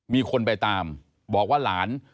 มีคนไปตามบอกว่าหลาน